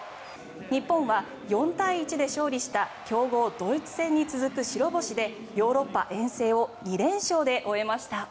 日本は４対１で勝利した強豪ドイツ戦に続く白星でヨーロッパ遠征を２連勝で終えました。